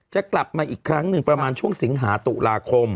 จะกลับมาอีกครั้งหนึ่งประมาณช่วงสิงหาตุลาคม